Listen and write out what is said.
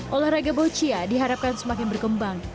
olahraga boccia diharapkan semakin berkembang